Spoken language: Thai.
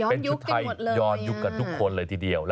เป็นชุดไทยย้อนยุคกันทุกคนเลยทีเดียว